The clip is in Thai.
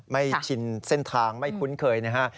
ชินเส้นทางไม่คุ้นเคยนะฮะ